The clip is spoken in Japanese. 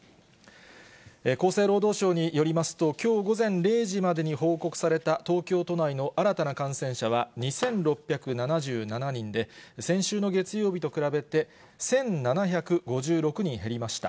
厚生労働省によりますと、きょう午前０時までに報告された東京都内の新たな感染者は２６７７人で、先週の月曜日と比べて、１７５６人減りました。